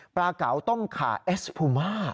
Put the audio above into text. ปลาเก๋าต้มขาเอสบุมา